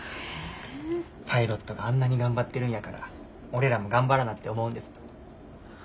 パイロットがあんなに頑張ってるんやから俺らも頑張らなって思うんです。